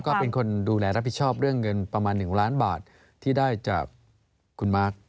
ก็เป็นคนดูแลรับผิดชอบเรื่องเงินประมาณ๑ล้านบาทที่ได้จากคุณมาร์ค